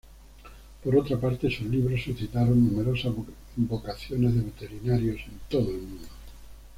Por otra parte, sus libros suscitaron numerosas vocaciones de veterinarios en todo el mundo.